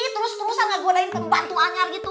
terus terusan nggak gunain pembantu anjar gitu